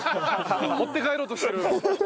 持って帰ろうとしてる！